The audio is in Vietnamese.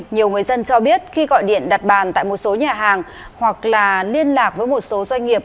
nhiều người dân cho biết khi gọi điện đặt bàn tại một số nhà hàng hoặc là liên lạc với một số doanh nghiệp